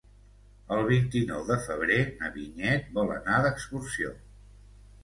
El vint-i-nou de febrer na Vinyet vol anar d'excursió.